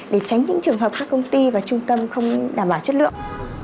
để tránh những trường hợp các công ty và trung tâm không đảm bảo chất lượng